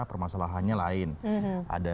permasalahannya lain ada